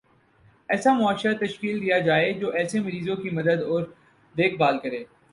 ایسا معاشرہ تشکیل دیا جائےجو ایسے مریضوں کی مدد اور دیکھ بھال کرے